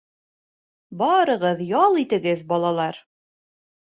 — Барығыҙ, ял итегеҙ, балалар.